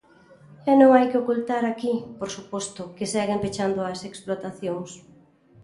E non hai que ocultar aquí, por suposto, que seguen pechando as explotacións.